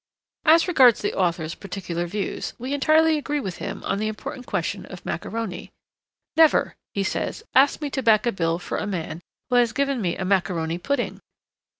As regards the author's particular views, we entirely agree with him on the important question of macaroni. 'Never,' he says, 'ask me to back a bill for a man who has given me a macaroni pudding.'